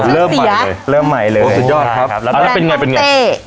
เริ่มใหม่เลยเริ่มใหม่เลยโอ้สุดยอดครับแล้วเป็นไงเป็นไง